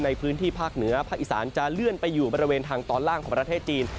ในพื้นที่ภาคเหนือภาคอีสานจะเลื่อนไปอยู่บริเวณทางตอนล่างของประเทศจีน